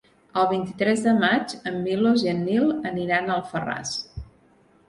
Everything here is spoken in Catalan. El vint-i-tres de maig en Milos i en Nil aniran a Alfarràs.